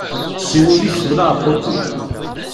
Ḥess i wul-ik qbel aεebbuḍ-ik.